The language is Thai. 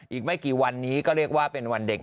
อีกไม่กี่วันนี้ก็เรียกว่าเป็นวันเด็ก